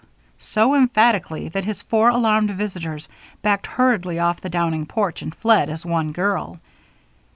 _" so emphatically that his four alarmed visitors backed hurriedly off the Downing porch and fled as one girl.